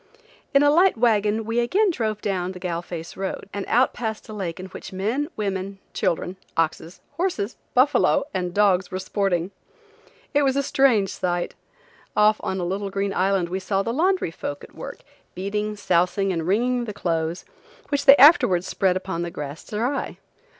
In a light wagon we again drove down Galle Face road, and out past a lake in which men, women, children, oxen, horses, buffalo and dogs were sporting. It was a strange sight. Off on a little green island we saw the laundry folk at work, beating, sousing and wringing the clothes, which they afterwards spread upon the grass to dry.